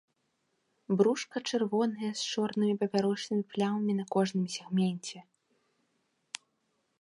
Брушка чырвонае з чорнымі папярочнымі плямамі на кожным сегменце.